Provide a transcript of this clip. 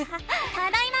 ただいま！